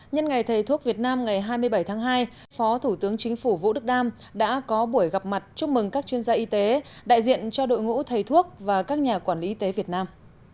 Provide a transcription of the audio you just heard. nhân ngày thầy thuốc việt nam ngày hai mươi bảy tháng hai phó thủ tướng chính phủ vũ đức đam đã có buổi gặp mặt chúc mừng các chuyên gia y tế đại diện cho đội ngũ thầy thuốc và các nhà quản lý y tế việt nam